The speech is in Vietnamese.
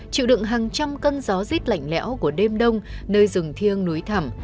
chịu đựng hàng trăm cân gió rít lạnh lẽo của đêm đông nơi rừng thiêng núi thẳm